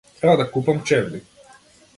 Треба да купам чевли.